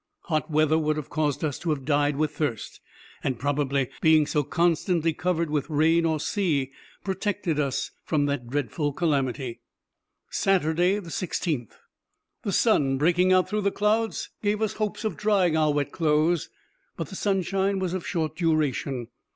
Hot weather would have caused us to have died with thirst, and probably being so constantly covered with rain or sea protected us from that dreadful calamity. Saturday, 16th.—The sun breaking out through the clouds gave us hopes of drying our wet clothes; but the sunshine was of short duration.